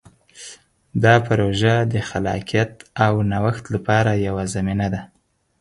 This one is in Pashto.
دا پروژه د خلاقیت او نوښت لپاره یوه زمینه ده.